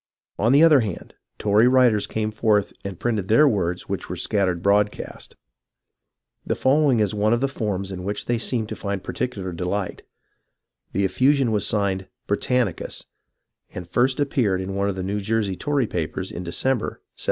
On the other hand, Tory writers came forth with their printed words which were scattered broadcast. The fol 136 HISTORY OF THE AMERICAN REVOLUTION lowing is one of the forms in which they seemed to find particular delight. The effusion was signed " Britannicus," and first appeared in one of the New Jersey Tory papers in December, 1776.